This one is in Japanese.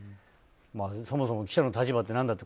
そもそも記者の立場ってなんだって。